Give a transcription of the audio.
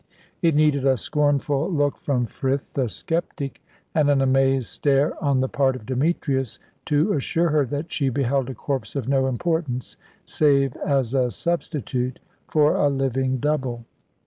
It needed a scornful look from Frith the sceptic, and an amazed stare on the part of Demetrius, to assure her that she beheld a corpse of no importance, save as a substitute for a living double.